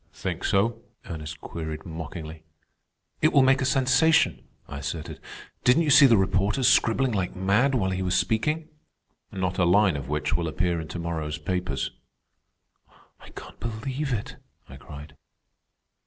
"Think so?" Ernest queried mockingly. "It will make a sensation," I asserted. "Didn't you see the reporters scribbling like mad while he was speaking?" "Not a line of which will appear in to morrow's papers." "I can't believe it," I cried.